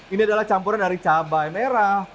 ini adalah campuran dari cabai merah